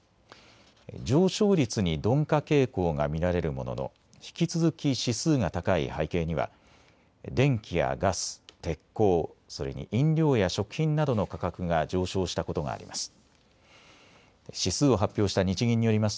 上昇率に鈍化傾向が見られるものの引き続き指数が高い背景には電気やガス、鉄鋼、それに飲料や食品などの価格が上昇したことがあります。